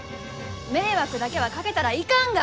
迷惑だけはかけたらいかんが！